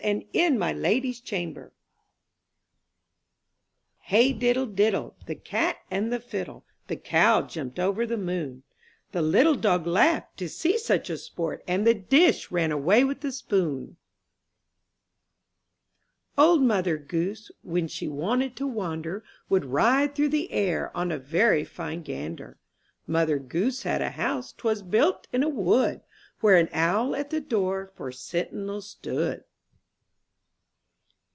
And in my lady*s chamber H EY diddle diddle. The cat and the fiddle, The cow jumped over the moon; The little dog laughed To see such sport, And the dish ran away with the spoon. I N THE NURSERY OLD Mother Goose, when She wanted to wander, Would ride through the air On a very fine gander. Mother Goose had a house, 'Twas built in a wood, Where an owl at the door For sentinel stood.